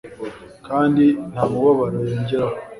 kandi nta mubabaro yongeraho